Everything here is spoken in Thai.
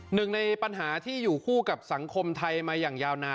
หนึ่งในปัญหาที่อยู่คู่กับสังคมไทยมาอย่างยาวนาน